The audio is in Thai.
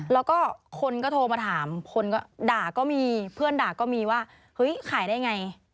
แล้วก็คนก็โทรมาถามคนก็ด่าก็มีเพื่อนด่าก็มีว่าเฮ้ยขายได้ไง